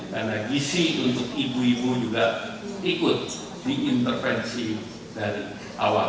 karena gising untuk ibu ibu juga ikut diintervensi dari awal